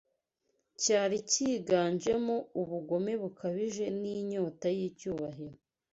cyari kiganjemo ubugome bukabije n’inyota y’icyubahiro.